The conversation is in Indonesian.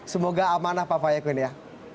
semoga amanah pak pak ayako ini ya